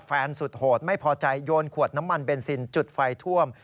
สุดโหดไม่พอใจโยนขวดน้ำมันเบนซินจุดไฟท่วม